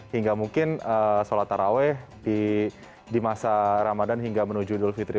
hingga mungkin sholat taraweh di masa ramadhan hingga menuju idul fitri